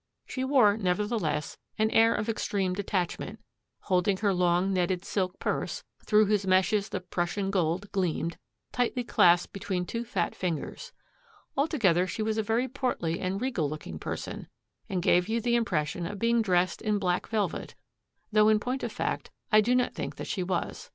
She wore, nevertheless, an air of extreme detachment, holding her long netted silk purse through whose meshes the Prussian gold gleamed tightly clasped between two fat fingers. Altogether she was a very portly and regal looking person, and gave you the impression of being dressed in black velvet, though in point of fact I do not think that she was.